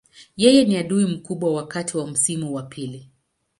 Yeye ni adui mkubwa wakati wa msimu wa pili.